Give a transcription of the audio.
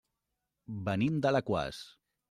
Venim d'Alaquàs.